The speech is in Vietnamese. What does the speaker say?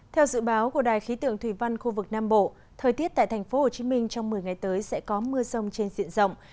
theo dự báo của đài khí tượng thùy văn khu vực nam bộ thời tiết tại thành phố hồ chí minh trong một mươi ngày tới sẽ có mưa rông trên diện rộng